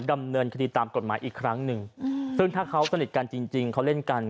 ดำเนินคดีตามกฎหมายอีกครั้งหนึ่งซึ่งถ้าเขาสนิทกันจริงจริงเขาเล่นกัน